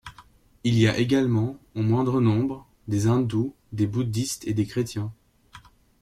Il y a également, en moindre nombre, des hindous, des bouddhistes et des chrétiens.